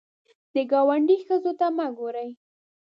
د ګاونډي ښځو ته مه ګورې